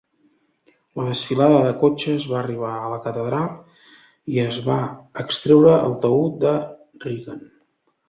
La desfilada de cotxes va arribar a la Catedral i es va extreure el taüt de Reagan.